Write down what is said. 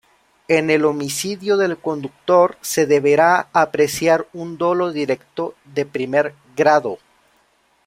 En el homicidio del conductor se deberá apreciar un dolo directo de primer grado.